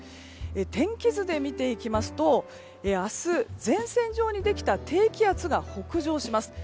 天気図で見ていきますと明日、前線上にできた低気圧が北上します。